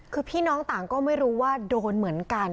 คือพี่น้องต่างก็ไม่รู้ว่าโดนเหมือนกัน